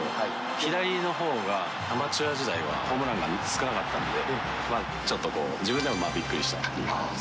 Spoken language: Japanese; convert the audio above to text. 左のほうが、アマチュア時代はホームランが少なかったんで、ちょっと自分でもびっくりしたっていうか。